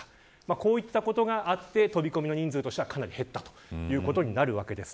こういったことがあって飛び込みの人数としてはかなり減ったということです。